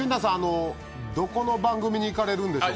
どこの番組に行かれるんですか？